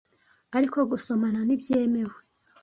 ariko gusomana ntibyemewe